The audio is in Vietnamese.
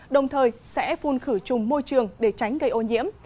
đồng thời sẽ phun khử trùng môi trường để tránh gây ô nhiễm